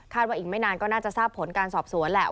ว่าอีกไม่นานก็น่าจะทราบผลการสอบสวนแหละ